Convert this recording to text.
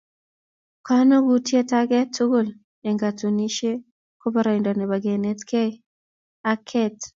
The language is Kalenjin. Kanokutiet age tugul eng katunisieet ko boroindo nebo kineetkeei ak keet